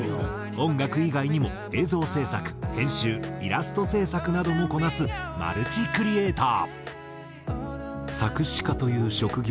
音楽以外にも映像制作編集イラスト制作などもこなすマルチクリエイター。